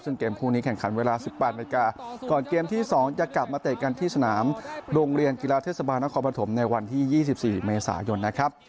จึงเกมคู่นี้แข่งขันเวลาสิบแปดนาทีกว่าก่อนเกมที่สองจะกลับมาเตะกันที่สนามโรงเรียนกีฬาเทศบาลนักคอมพันธมในวันที่ยี่สิบสี่เมษายนนะครับ